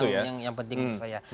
itu yang penting untuk saya